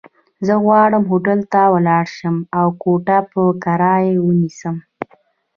زه غواړم هوټل ته ولاړ شم، او کوټه په کرايه ونيسم.